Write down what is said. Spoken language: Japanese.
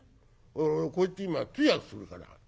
俺こいつに今通訳するから。